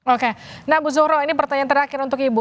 oke nah bu zuro ini pertanyaan terakhir untuk ibu